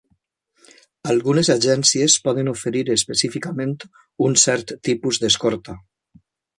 Algunes agències poden oferir específicament un cert tipus d'escorta.